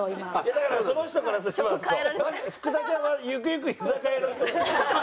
だからその人からすれば福田ちゃんはゆくゆくは居酒屋の人。